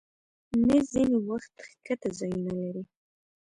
مېز ځینې وخت ښکته ځایونه لري.